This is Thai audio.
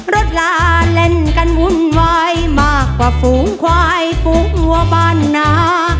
ลาเล่นกันวุ่นวายมากกว่าฝูงควายฝูงวัวบ้านหนา